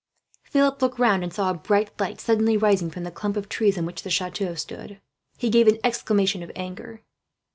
Philip looked round, and saw a bright light suddenly rising from the clump of trees on which the chateau stood. He gave an exclamation of anger.